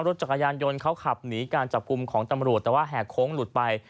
รถจักรยานยนต์เขาขับหนีการจับกลุ่มของตำรวจแต่ว่าแหกโค้งหลุดไป